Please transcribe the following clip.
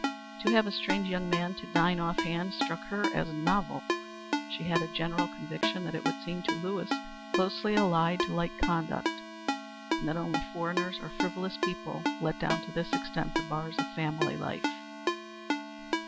To have a strange young man to dine off hand struck her as novel. She had a general conviction that it would seem to Lewis closely allied to light conduct, and that only foreigners or frivolous people let down to this extent the bars of family life.